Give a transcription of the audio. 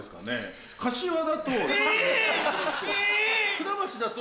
船橋だと。